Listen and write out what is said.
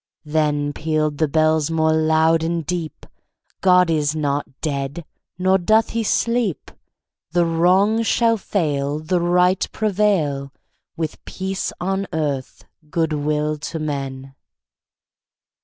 Then pealed the bells more loud and deep: "God is not dead; nor doth he sleep! The Wrong shall fail, The Right prevail, With peace on earth, good will to men!"